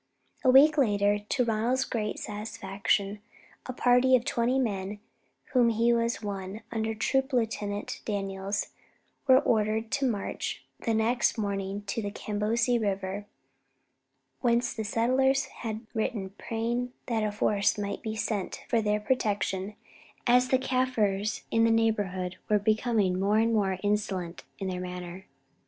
A week later, to Ronald's great satisfaction, a party of twenty men, of whom he was one, under Troop Lieutenant Daniels, were ordered to march the next morning to the Kabousie River, whence the settlers had written praying that a force might be sent for their protection, as the Kaffirs in the neighbourhood were becoming more and more insolent in their manner.